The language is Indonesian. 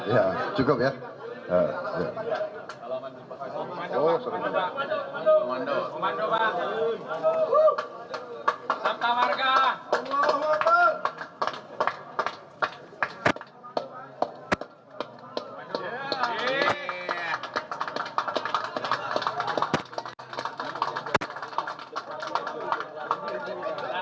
ya cukup ya